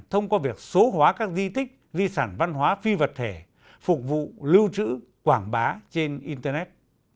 thông qua việc số hóa các di tích di sản văn hóa phi vật thể phục vụ lưu trữ quảng bá trên internet